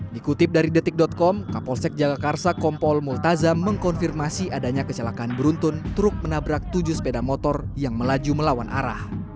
dikutip dari detik com kapolsek jagakarsa kompol multazam mengkonfirmasi adanya kecelakaan beruntun truk menabrak tujuh sepeda motor yang melaju melawan arah